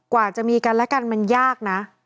กว่าจะมีกันและกันมันยากนะ